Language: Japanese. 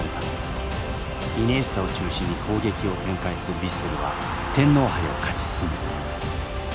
イニエスタを中心に攻撃を展開するヴィッセルは天皇杯を勝ち進む。